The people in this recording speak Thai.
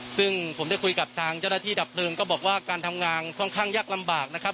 ซึ่งผมได้คุยกับทางเจ้าหน้าที่ดับเพลิงก็บอกว่าการทำงานค่อนข้างยากลำบากนะครับ